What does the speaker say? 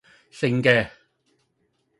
胜嘅